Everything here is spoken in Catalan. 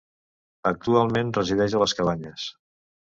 Actualment resideix a Les Cabanyes.